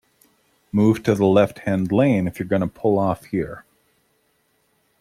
Move to the left-hand lane if you're going to pull off here